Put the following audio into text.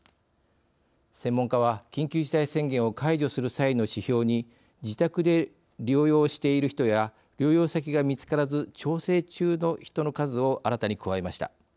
専門家は緊急事態宣言を解除する際の指標に自宅で療養している人や療養先が見つからず調整中の人の数を新たに加えました。